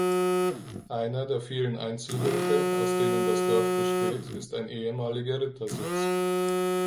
Einer der vielen Einzelhöfe, aus denen das Dorf besteht, ist ein ehemaliger Rittersitz.